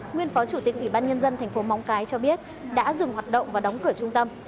nguyên phó chủ tịch ủy ban nhân dân thành phố móng cái cho biết đã dừng hoạt động và đóng cửa trung tâm